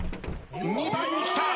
２番にきた。